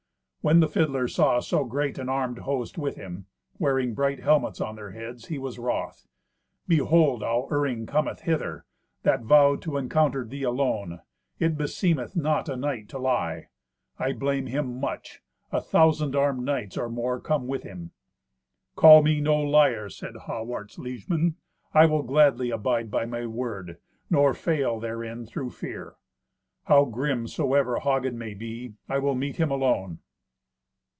When the fiddler saw so great an armed host with him, wearing bright helmets on their heads, he was wroth. "Behold how Iring cometh hither, that vowed to encounter thee alone. It beseemeth not a knight to lie. I blame him much. A thousand armed knights or more come with him." "Call me no liar," said Hawart's liegeman. "I will gladly abide by my word, nor fail therein through fear. How grim soever Hagen may be, I will meet him alone."